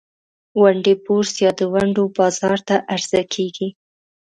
ونډې بورس یا د ونډو بازار ته عرضه کیږي.